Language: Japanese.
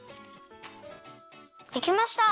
できました！